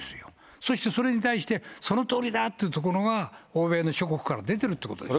そしてそれに対して、そのとおりだっていうところが、欧米の諸国から出てるということですよ。